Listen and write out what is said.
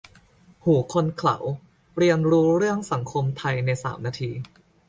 หูคนเขลา : เรียนรู้เรื่องสังคมไทยในสามนาที